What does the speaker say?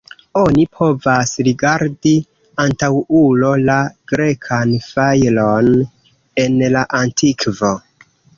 Oni povas rigardi antaŭulo la grekan fajron en la Antikvo.